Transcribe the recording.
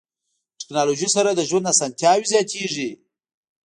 ټکنالوژي سره د ژوند اسانتیاوې زیاتیږي.